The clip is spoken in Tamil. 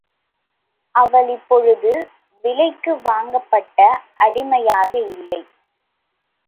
அவள் இப்பொழுது விலைக்கு வாங்கப்பட்ட அடிமையாக இல்லை.